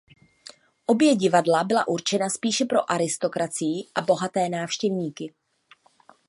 Obě divadla byla určena spíše pro aristokracii a bohaté návštěvníky.